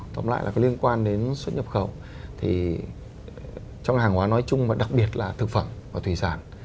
tóm lại là liên quan đến xuất nhập khẩu trong hàng hóa nói chung và đặc biệt là thực phẩm và thủy sản